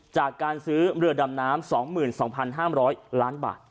จากการซื้อเรือดำน้ำ๒๒๕๐๐ล้านบาท